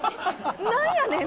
「何やねん！」